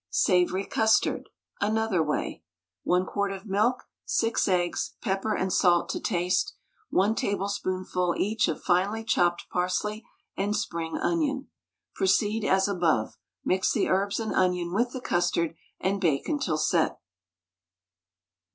SAVOURY CUSTARD (Another way). 1 quart of milk, 6 eggs, pepper and salt to taste, 1 tablespoonful each of finely chopped parsley and spring onion. Proceed as above; mix the herbs and onion with the custard, and bake until set.